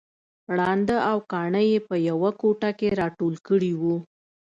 ړانده او کاڼه يې په يوه کوټه کې راټول کړي وو